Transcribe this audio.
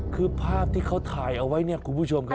คือภาพที่เขาถ่ายเอาไว้เนี่ยคุณผู้ชมครับ